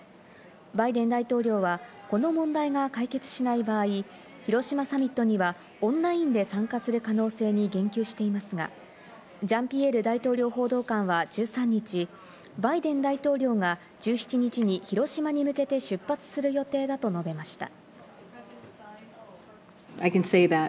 バイデン大統領は、この問題が解決しない場合、広島サミットにはオンラインで参加する可能性に言及していますが、ジャンピエール大統領報道官は１３日、バイデン大統領が１７日に広島に向けて出発する予定だと述べました。